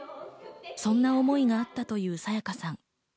そんな思いがあったという沙也加さん。